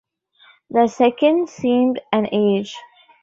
The second seemed an age.